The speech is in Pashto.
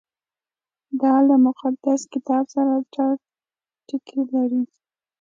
• دا له مقدس کتاب سره ګډ ټکي لري.